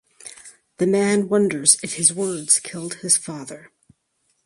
The man wonders if his words killed his father.